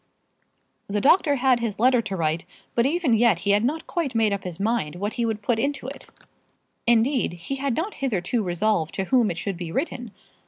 The doctor had his letter to write, but even yet he had not quite made up his mind what he would put into it; indeed, he had not hitherto resolved to whom it should be written.